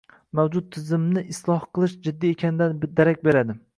Mavjud tizimni isloh qilish jiddiy ekanidan darak beradi.